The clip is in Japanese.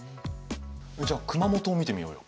じゃあ熊本を見てみようよ。